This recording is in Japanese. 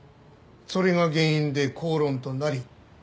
それが原因で口論となり殺害した。